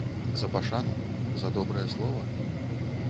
За пашану, за добрае слова?